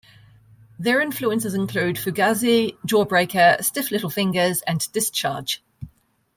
Their influences include Fugazi, Jawbreaker, Stiff Little Fingers and Discharge.